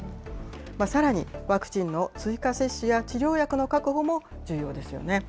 さらに、ワクチンの追加接種や、治療薬の確保も重要ですよね。